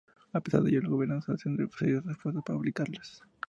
A pesar de ello, los gobiernos hacen serios esfuerzos para aplicarlas.